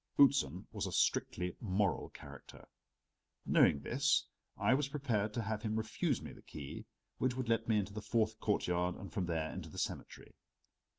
Outzen was a strictly moral character; knowing this, I was prepared to have him refuse me the key which would let me into the fourth courtyard and from there into the cemetery.